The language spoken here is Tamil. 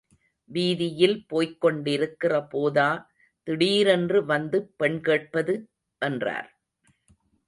வீதியில் போய்க் கொண்டிருக்கிற போதா திடீரென்று வந்து பெண் கேட்பது? —என்றார்.